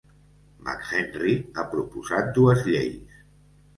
McHenry ha proposat dues lleis.